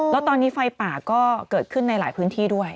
แล้วตอนนี้ไฟป่าก็เกิดขึ้นในหลายพื้นที่ด้วย